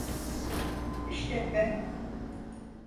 İşte ben…